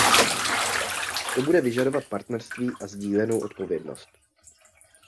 To bude vyžadovat partnerství a sdílenou odpovědnost.